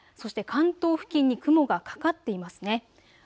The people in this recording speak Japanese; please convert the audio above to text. そして関東付近に雲がかかっていますね。